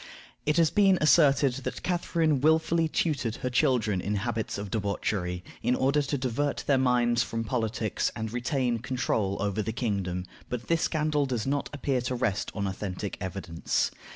It has been asserted that Catharine willfully tutored her children in habits of debauchery, in order to divert their minds from politics, and retain control over the kingdom, but this scandal does not appear to rest on authentic evidence.